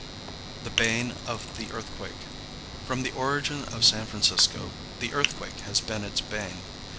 THE BANE OF THE EARTHQUAKE. From the origin of San Francisco the earthquake has been its bane.